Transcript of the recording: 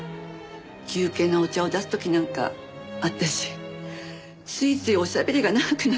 休憩のお茶を出す時なんか私ついついおしゃべりが長くなってしまって。